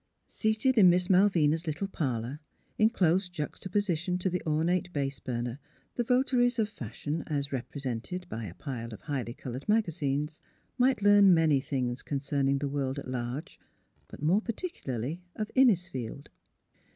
Seated in Miss Malvina 's little parlour, in close juxtaposi tion to the ornate base burner, the votaries of fashion (as represented by a pile of highly coloured magazines) might learn many things concerning the world at large, but more particu larly of Innisfield.